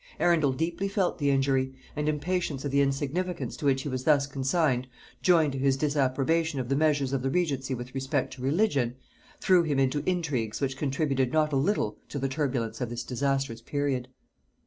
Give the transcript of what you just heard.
Arundel deeply felt the injury; and impatience of the insignificance to which he was thus consigned, joined to his disapprobation of the measures of the regency with respect to religion, threw him into intrigues which contributed not a little to the turbulence of this disastrous period.